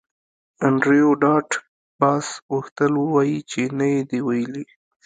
انډریو ډاټ باس غوښتل ووایی چې نه یې دی ویلي